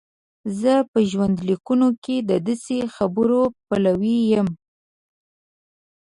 زه په ژوندلیکونو کې د داسې خبرو پلوی یم.